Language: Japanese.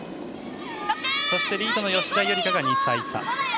そしてリードの吉田夕梨花が２歳差。